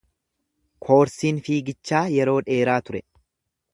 Koorsiin fiigichaa yeroo dheeraa ture.